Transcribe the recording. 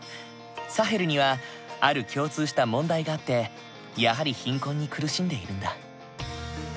サヘルにはある共通した問題があってやはり貧困に苦しんでいるんだ。